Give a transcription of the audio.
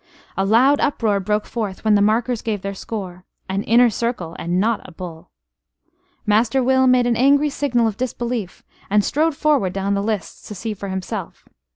A loud uproar broke forth when the markers gave their score an inner circle, and not a bull. Master Will made an angry signal of disbelief; and strode forward down the lists to see for himself.